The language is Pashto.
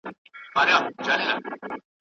د حرم د ښایستو پر زړه پرهار وو